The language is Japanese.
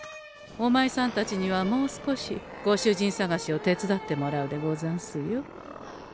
おまいさんたちにはもう少しご主人さがしを手伝ってもらうでござんすよ。